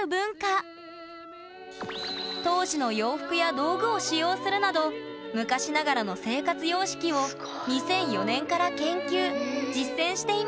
当時の洋服や道具を使用するなど昔ながらの生活様式を２００４年から研究・実践しています。